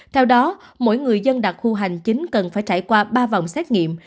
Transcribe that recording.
theo đó mỗi người dân đặc khu hành chính cần phải trải qua ba vòng xét nghiệm